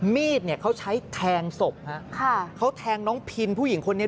มีดเขาใช้แทงศพฮะเขาแทงน้องพิณฑ์ผู้หญิงคนนี้